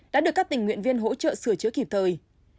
đã được các tình nguyện viên hỗ trợ sửa chữa kịp thời